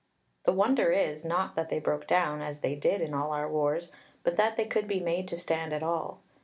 The wonder is, not that they broke down, as they did in all our wars, but that they could be made to stand at all.